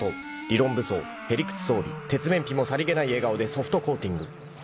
［理論武装へ理屈装備鉄面皮もさりげない笑顔でソフトコーティング］